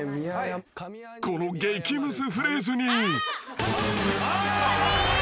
［この激ムズフレーズに］